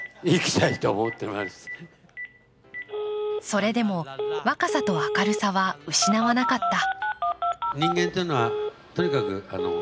それでも若さと明るさは失わなかった。